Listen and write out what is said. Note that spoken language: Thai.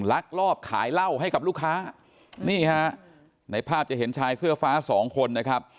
ลักลอบขายเหล้าให้กับลูกค้านี่ฮะในภาพจะเห็นชายเสื้อฟ้าสองคนนะครับ